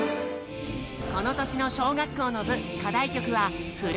この年の小学校の部課題曲は「ふるさと」。